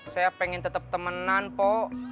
saya pengen tetap temenan po